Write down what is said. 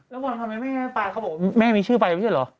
แล้ววันค่ะเมื่อแม่ไปเขาบอกแม่มีชื่อไปอยู่หรือ